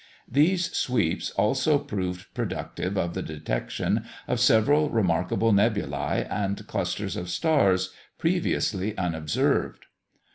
These sweeps also proved productive of the detection of several remarkable nebulæ and clusters of stars, previously unobserved.